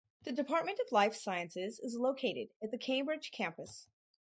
The Department of Life Sciences is located at the Cambridge campus.